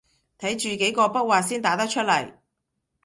睇住幾個筆劃先打得出來